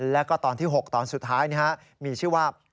แล้วก็ตอนที่๖ตอนสุดท้ายมีชื่อว่า